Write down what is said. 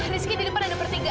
rizky di depan ada pertinggaan